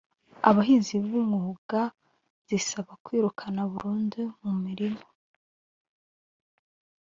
Abahinzi b’umwuga zisaba kwirukana burundu mu mirima